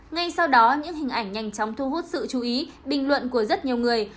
ngay sau đó những hình ảnh nhanh chóng thu hút sự chú ý bình luận của rất nhiều người